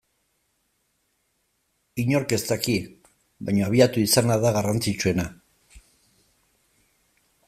Inork ez daki, baina abiatu izana da garrantzitsuena.